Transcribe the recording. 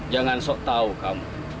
jangan sok tahu kamu